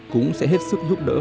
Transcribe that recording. cũng sẽ hết sức giúp đỡ